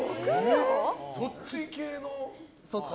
そっち系の？